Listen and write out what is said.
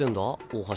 大橋。